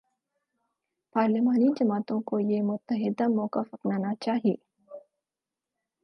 پارلیمانی جماعتوں کو یہ متحدہ موقف اپنانا چاہیے۔